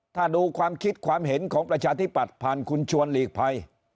ถ้าดูความคิดความเห็นของประชาธิปัตย์ผ่านคุณชวนหลีกภัย